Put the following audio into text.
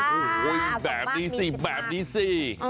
แบบนี้สิแบบนี้สิ